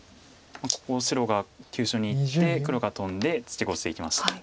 ここ白が急所にいって黒がトンでツケコシていきました。